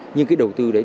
nhưng cái đầu tư đấy